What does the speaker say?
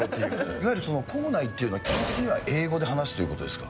いわゆる校内っていうのは、基本的には英語で話すということですか？